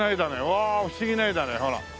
わあ不思議な画だねほら。